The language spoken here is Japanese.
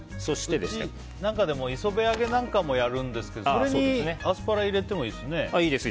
磯辺揚げなんかもうちでやるんですけど、それにアスパラ入れてもいいですね。